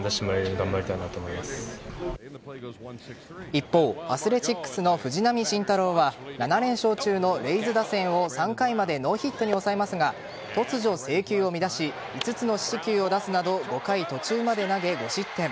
一方アスレチックスの藤浪晋太郎は７連勝中のレイズ打線を３回までノーヒットに抑えますが突如、制球を乱し５つの四死球を出すなど５回途中まで投げ、５失点。